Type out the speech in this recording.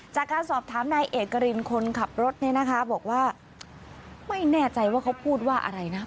จากการสอบถามนายเอกรินคนขับรถเนี่ยนะคะบอกว่าไม่แน่ใจว่าเขาพูดว่าอะไรนะ